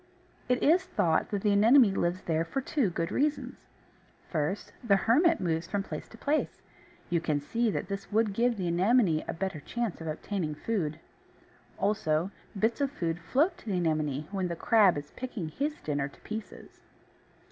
It is thought that the Anemone lives there for two good reasons. First, the Hermit moves from place to place; you can see that this would give the Anemone a better chance of obtaining food. Also, bits of food float to the Anemone when the crab is picking his dinner to pieces.